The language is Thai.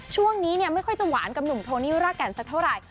ช่วงนี้เนี่ยไม่ค่อยจะหวานกับหนุ่มโทนี่ราแก่นสักเท่าไหร่